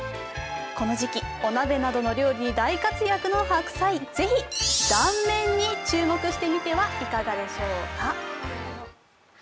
この時期、お鍋などの料理に大活躍の白菜、ぜひ断面に注目してみてはいかがでしょうか。